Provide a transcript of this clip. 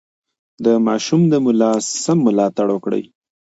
د ماشوم د ملا سم ملاتړ وکړئ.